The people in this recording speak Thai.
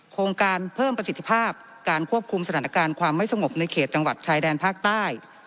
โครงการเพิ่มประสิทธิภาพการควบคุมสถานการณ์ความไม่สงบในเขตจังหวัดชายแดนภาคใต้